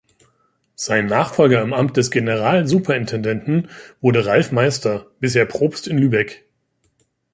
Sein Nachfolger im Amt des Generalsuperintendenten wurde Ralf Meister, bisher Propst in Lübeck.